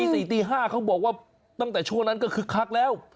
ตี๕เขาบอกว่าตั้งแต่ช่วงนั้นก็คึกคักแล้ว